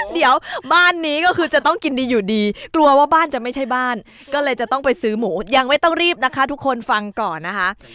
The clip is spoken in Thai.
เดี๋ยวบ้านนี้ก็คือจะต้องกินดีอยู่ดีกลัวว่าบ้านจะไม่ใช่บ้านก็เลยจะต้องไปซื้อหมูยังไม่ต้องรีบนะคะทุกคนฟังก่อนนะคะ